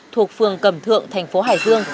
thuộc phường cẩm thượng thành phố hải dương